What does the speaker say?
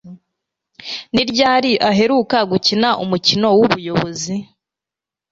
Ni ryari uheruka gukina umukino wubuyobozi